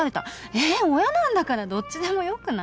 え親なんだからどっちでもよくない？